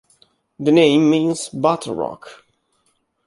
The name means "Butter Rock".